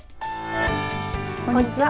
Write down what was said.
こんにちは。